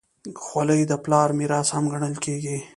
خولۍ د پلار میراث هم ګڼل کېږي.